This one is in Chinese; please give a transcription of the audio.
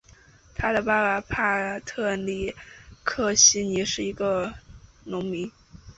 他的爸爸帕特里克希尼是一个农民。